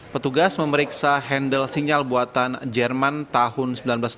petugas memeriksa handle sinyal buatan jerman tahun seribu sembilan ratus delapan puluh